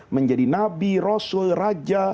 menjadi nabi rasul raja